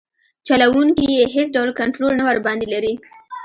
چلوونکي یې هیڅ ډول کنټرول نه ورباندې لري.